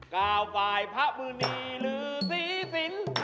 ก้าวฟ้ายพระมือนีรือซีสิน